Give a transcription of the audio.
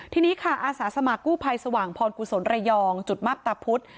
ทีนี้ค่ะอาสาสมัครกู้ภัยสว่างพรกุศลระยองจุดมับตาพุธ